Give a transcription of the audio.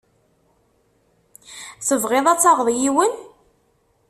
Tebɣiḍ ad taɣeḍ yiwen?